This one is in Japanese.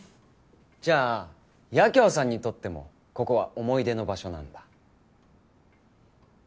じゃあ八京さんにとってもここは思い出の場所なんだ。